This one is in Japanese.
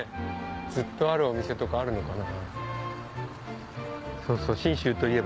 ずっとあるお店とかあるのかな？